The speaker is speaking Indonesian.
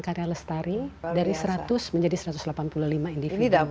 karya lestari dari seratus menjadi satu ratus delapan puluh lima individu